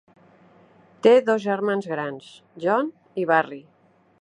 Té dos germans grans, John i Barry.